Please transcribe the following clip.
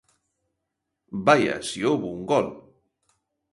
Vaia, si houbo un gol.